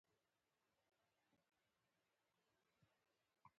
کاناډا د مشورې ورکولو شرکتونه لري.